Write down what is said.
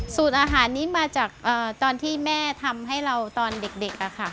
สูตรอาหารนี้มาจากตอนที่แม่ทำให้เราตอนเด็กค่ะ